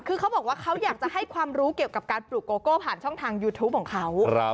คือเขาบอกว่าเขาอยากจะให้ความรู้เกี่ยวกับการปลูกโกโก้ผ่านช่องทางยูทูปของเขา